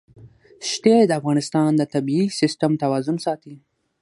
ښتې د افغانستان د طبعي سیسټم توازن ساتي.